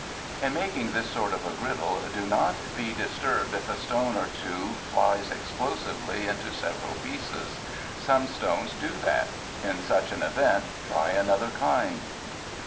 In making this sort of a griddle, do not be dis turbed if a stone or two flies explosively into sev eral pieces. Some stones do that. In such an event, try another kind.